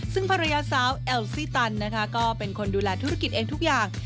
ซึ่งภรรยาสาวแอลซี่ตันนะคะก็เป็นคนดูแลธุรกิจเองทุกอย่าง